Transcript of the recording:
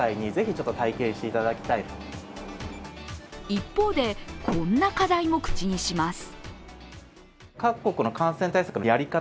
一方で、こんな課題も口にします